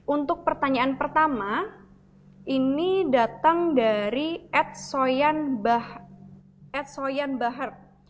untuk pertanyaan pertama ini datang dari edsoyan bahar